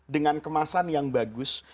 dengan kemasan yang bagus